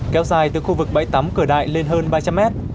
kéo dài từ khu vực bãi tắm cửa đại lên hơn ba trăm linh mét